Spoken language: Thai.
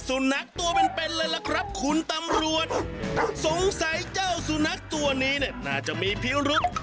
สงสัยเจ้าสุนัขตัวนี้น่าจะมีผิวหลุว